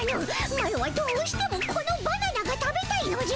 マロはどうしてもこのバナナが食べたいのじゃ。